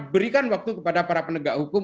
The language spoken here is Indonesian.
berikan waktu kepada para penegak hukum